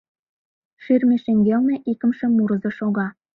Ширме шеҥгелне икымше мурызо шога.